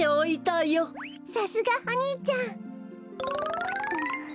さすがおにいちゃん。